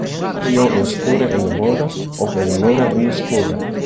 Hawwe jo in skuorre yn de muorre, of in muorre yn de skuorre?